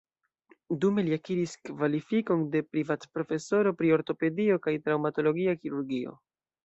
Dume li akiris kvalifikon de privatprofesoro pri ortopedio kaj traŭmatologia kirurgio.